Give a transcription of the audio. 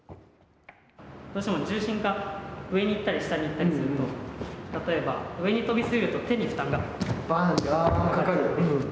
どうしても重心が上に行ったり下に行ったりすると、例えば、上に跳び過ぎると、手に負担がかかる。